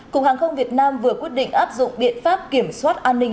cục hàng không việt nam vừa quyết định áp dụng biện pháp kiểm soát an ninh